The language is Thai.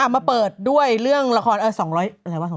มาเปิดด้วยเรื่องละคร๒๐๐อะไรวะ